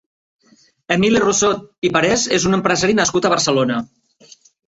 Emili Rousaud i Parés és un empresari nascut a Barcelona.